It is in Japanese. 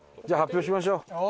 じゃあ発表しましょう。